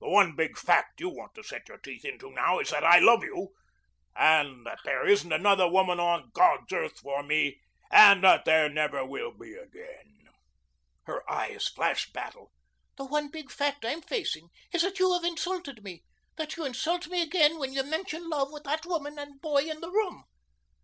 The one big fact you want to set your teeth into now is that I love you, that there isn't another woman on God's earth for me, and that there never will be again." Her eyes flashed battle. "The one big fact I'm facing is that you have insulted me that you insult me again when you mention love with that woman and boy in the room.